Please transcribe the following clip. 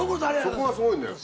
そこがすごいんだよ。